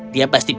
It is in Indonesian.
dia pasti pun